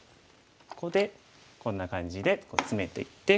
ここでこんな感じでツメていって。